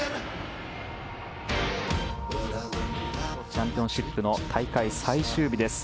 ＺＯＺＯチャンピオンシップの大会最終日です。